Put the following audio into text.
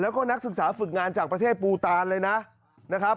แล้วก็นักศึกษาฝึกงานจากประเทศปูตานเลยนะครับ